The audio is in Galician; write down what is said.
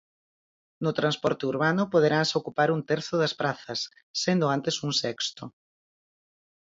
No transporte urbano poderanse ocupar un terzo das prazas, sendo antes un sexto.